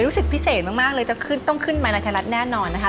รู้สึกพิเศษมากเลยจะขึ้นต้องขึ้นมาในไทยรัฐแน่นอนนะคะ